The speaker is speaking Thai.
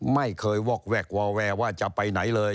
ไม่เคยวอกแวกวอแวว่าจะไปไหนเลย